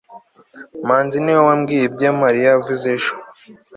manzi niwe wambwiye ibyo mariya yakoze ejo